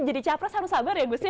jadi capres harus sabar ya gus ya